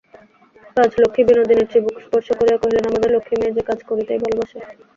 রাজলক্ষ্মী বিনোদিনীর চিবুক স্পর্শ করিয়া কহিলেন, আমাদের লক্ষ্মী মেয়ে যে কাজ করিতেই ভালোবাসে।